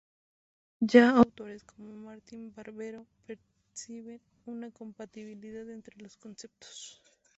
Ya autores como Martín-Barbero perciben una compatibilidad entre los conceptos.